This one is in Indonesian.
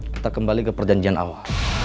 kita kembali ke perjanjian awal